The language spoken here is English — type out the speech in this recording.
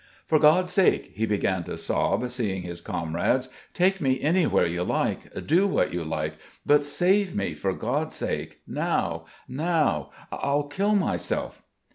"For God's sake!" he began to sob, seeing his comrades, "Take me anywhere you like, do what you like, but save me, for God's sake now, now! I'll kill myself."